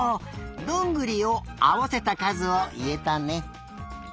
どんぐりをあわせたかずをいえたね。